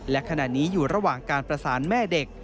และขณะนี้อยู่ระหว่างการประสานแม่เด็ก